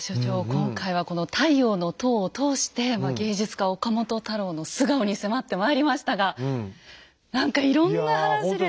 今回はこの「太陽の塔」を通して芸術家・岡本太郎の素顔に迫ってまいりましたが何かいろんな話で。